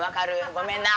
ごめんな。